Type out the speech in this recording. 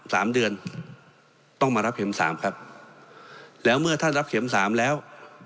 สามเดือนต้องมารับเข็มสามครับแล้วเมื่อท่านรับเข็มสามแล้ว